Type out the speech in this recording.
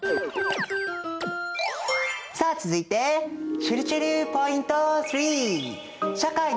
さあ続いてちぇるちぇるポイント３。